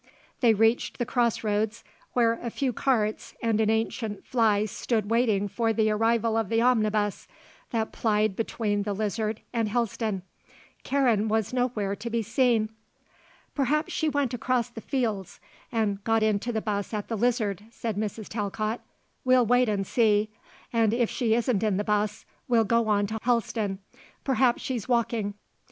They reached the cross roads where a few carts and an ancient fly stood waiting for the arrival of the omnibus that plied between the Lizard and Helston. Karen was nowhere to be seen. "Perhaps she went across the fields and got into the bus at the Lizard," said Mrs. Talcott. "We'll wait and see, and if she isn't in the bus we'll go on to Helston. Perhaps she's walking."